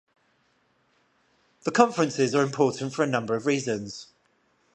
The conferences are important for a number of reasons.